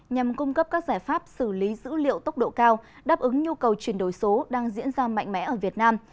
nhằm cung cấp các giải pháp xử lý dữ liệu tốc độ cao đáp ứng nhu cầu chuyển đổi số đang diễn ra mạnh mẽ ở việt nam